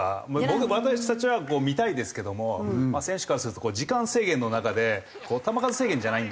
私たちは見たいですけども選手からすると時間制限の中で球数制限じゃないんですよ。